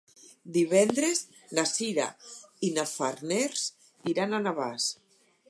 Divendres na Sira i na Farners iran a Navàs.